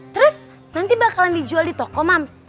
terus nanti bakalan dijual di toko mums